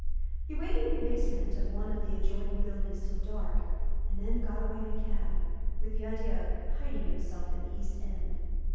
He waited in the basement of one of the adjoining buildings till dark and then got away in a cab, with the idea of hiding himself in the East End.